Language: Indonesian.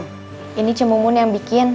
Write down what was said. bukan cemumun yang bikin